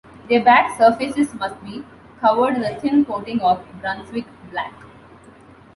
Their back surfaces must be covered in a thin coating of Brunswick black.